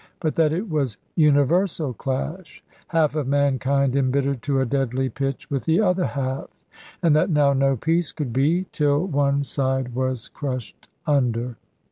But that it was universal clash; half of mankind imbittered to a deadly pitch with the other half; and that now no peace could be, till one side was crushed under.